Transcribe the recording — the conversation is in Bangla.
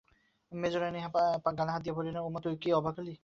মেজোরানী গালে হাত দিয়ে বললেন, ওমা, তুই যে অবাক করলি!